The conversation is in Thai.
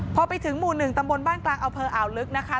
พอไปถึงหมู่๑ตำบลบ้านกลางอำเภออ่าวลึกนะคะ